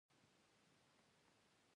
ایا زه باید ماشوم ته د زکام درمل ورکړم؟